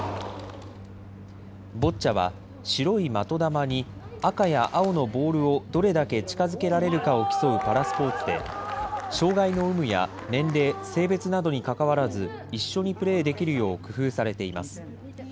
ボッチャは白い的球に赤や青のボールをどれだけ近づけられるかを競うパラスポーツで、障害の有無や年齢、性別などにかかわらず、一緒にプレーできるよう工夫されています。